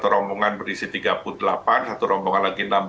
satu rombongan berisi tiga puluh delapan satu rombongan lagi enam belas